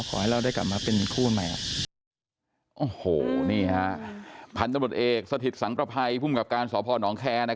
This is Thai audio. ความรักให้เขาแล้วครับผมแต่ความรักผมก็ยังไม่แล้ว